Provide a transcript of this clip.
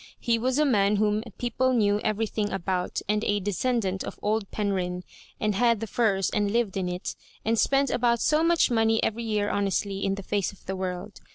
He was a man whom people knew eve rything about, and a descendant of old Penrhyn, and had the Firs and lived in it, and spent about so much money every year honestly in the face of the world.